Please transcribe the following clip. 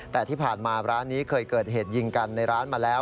แต่ที่ผ่านมาร้านนี้เคยเกิดเหตุยิงกันในร้านมาแล้ว